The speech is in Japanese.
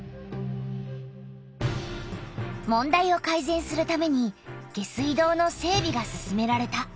問題をかいぜんするために下水道の整びが進められた。